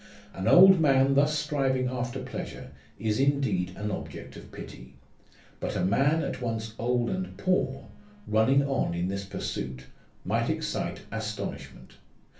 An old man thus striving after pleasure is indeed an object of pity ; but a man at once old and poor, running on in this pursuit, might excite astonishment.